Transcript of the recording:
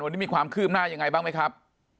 วันนี้มีความคืบหน้ายังไงบ้างไหมครับ